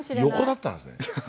横だったんですね。